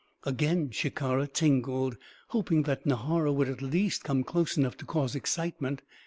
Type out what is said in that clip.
Again Shikara tingled hoping that Nahara would at least come close enough to cause excitement.